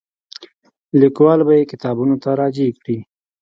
لیکوال به یې کتابونو ته راجع کړي.